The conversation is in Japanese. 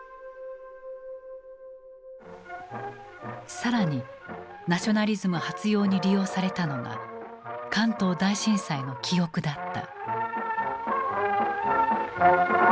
更にナショナリズム発揚に利用されたのが関東大震災の記憶だった。